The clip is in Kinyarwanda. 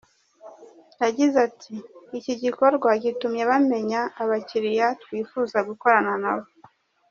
Yagize ati “Iki gikorwa gitumye bamenya abakiliya twifuza gukorana na bo.